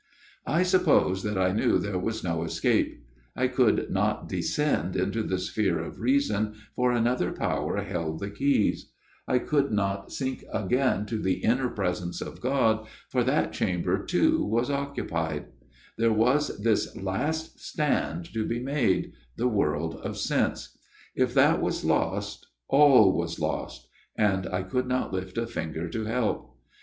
" I suppose that I knew there was no escape. FATHER GIRDLESTONE'S TALE 131 I could not descend into the sphere of reason, for another power held the keys ; I could not sink again to the inner presence of God, for that chamber too was occupied ; there was this last stand to be made the world of sense. If that was lost, all was lost : and I could not lift a finger to help.